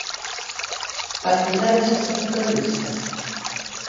Partillades este punto de vista?